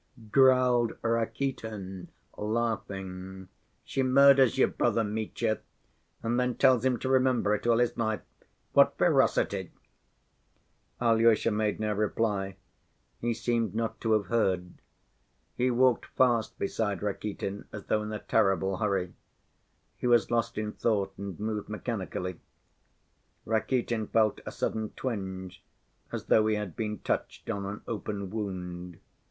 growled Rakitin, laughing, "she murders your brother Mitya and then tells him to remember it all his life! What ferocity!" Alyosha made no reply, he seemed not to have heard. He walked fast beside Rakitin as though in a terrible hurry. He was lost in thought and moved mechanically. Rakitin felt a sudden twinge as though he had been touched on an open wound.